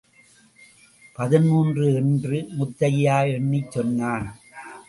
பதின்மூன்று என்று முத்தையா எண்ணிச் சொன்னான்.